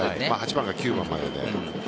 ８番か９番までで。